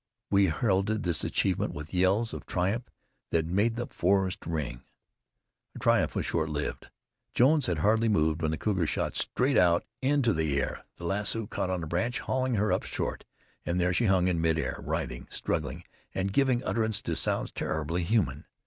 We heralded this achievement with yells of triumph that made the forest ring. Our triumph was short lived. Jones had hardly moved when the cougar shot straight out into the air. The lasso caught on a branch, hauling her up short, and there she hung in mid air, writhing, struggling and giving utterance to sounds terribly human.